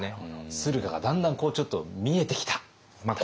駿河がだんだんちょっと見えてきた。